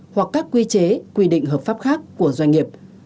hoặc các quy chế quy định hợp pháp khác của doanh nghiệp